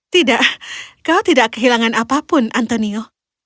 tidak kau tidak kehilangan apapun antonio